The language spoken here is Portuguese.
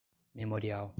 memorial